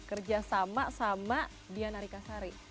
kerja sama sama dian arik asari